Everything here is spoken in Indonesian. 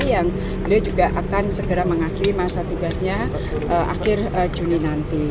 yang beliau juga akan segera mengakhiri masa tugasnya akhir juni nanti